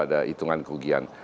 itu adalah pertumbuhan kerugian